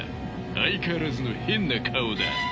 相変わらずの変な顔だ。